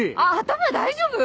頭大丈夫？